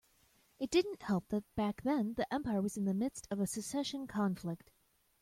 It didn't help that back then the empire was in the midst of a succession conflict.